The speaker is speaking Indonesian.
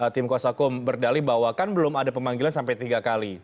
tim kuasa hukum berdali bahwa kan belum ada pemanggilan sampai tiga kali